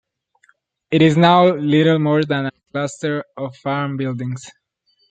It is now little more than a cluster of farm buildings.